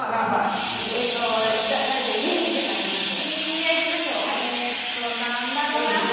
日比ちゃんからいきます？